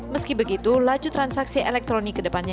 meski begitu laju transaksi elektronik kedepannya